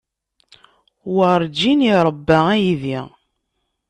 Werǧin iṛebba aydi.